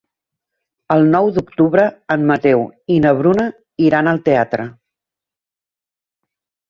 El nou d'octubre en Mateu i na Bruna iran al teatre.